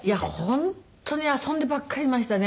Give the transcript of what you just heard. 本当に遊んでばっかりいましたね。